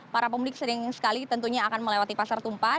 para pemudik sering sekali tentunya akan melewati pasar tumpah